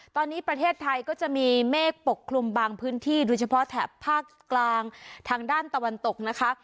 ตอนนี้ประเทศไทยก็จะมีเมฆปกคลุมบางพื้นที่โดยเฉพาะแถบภาคกลางทางด้านตะวันตกนะคะ